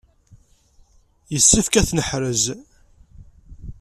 Yessefk ad t-neḥrez.